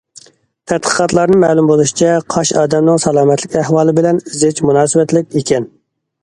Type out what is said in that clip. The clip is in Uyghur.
تەتقىقاتلاردىن مەلۇم بولۇشىچە، قاش ئادەمنىڭ سالامەتلىك ئەھۋالى بىلەن زىچ مۇناسىۋەتلىك ئىكەن.